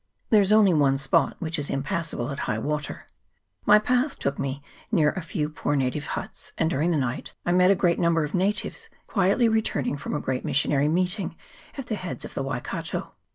There is only one spot which is impassable at high water. My path took me near a few poor native huts, and during the night I met a great number of natives quietly returning from a great Missionary 300 WAIKATO RIVER. [PART II. meeting at the heads of the Waikato.